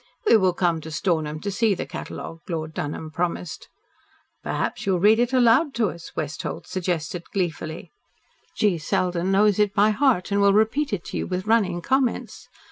"We will come to Stornham to see the catalogue," Lord Dunholm promised. "Perhaps you will read it aloud to us," Westholt suggested gleefully. "G. Selden knows it by heart, and will repeat it to you with running comments.